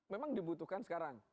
memang dibutuhkan sekarang